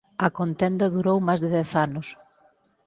A contenda durou máis de dez anos.